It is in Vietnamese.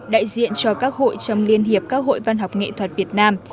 đại diện cho các hội trong liên hiệp các hội văn học nghệ thuật việt nam